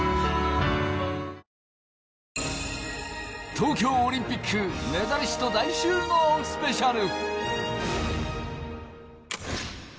東京オリンピックメダリスト大集合スペシャル。